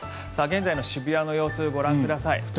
現在の渋谷の様子ご覧ください。